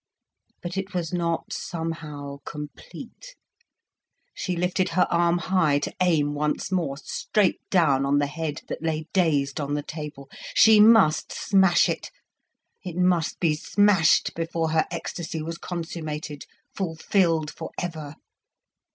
But it was not somehow complete. She lifted her arm high to aim once more, straight down on the head that lay dazed on the table. She must smash it, it must be smashed before her ecstasy was consummated, fulfilled for ever.